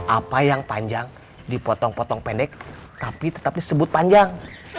apa yang panjang dipotong potong pendek tapi tetap disebut panjang